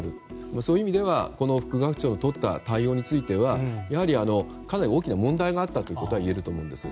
そういう意味では副学長のとった対応はやはりかなり大きな問題があったことはいえると思います。